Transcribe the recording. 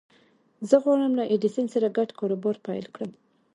زه غواړم له ايډېسن سره ګډ کاروبار پيل کړم.